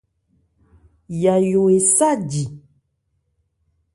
Yayó esá jì.